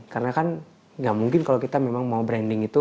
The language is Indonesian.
karena kan nggak mungkin kalau kita memang mau branding itu